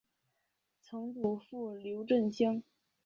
曾祖父刘震乡。